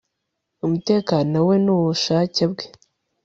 umutekano we nubushake bwe